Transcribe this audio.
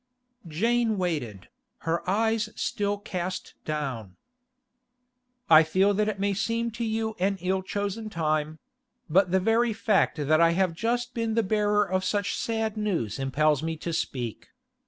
Jane waited, her eyes still cast down. 'I feel that it may seem to you an ill chosen time; but the very fact that I have just been the bearer of such sad news impels me to speak.